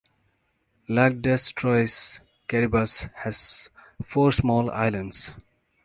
Lac des Trois Caribous has four small islands.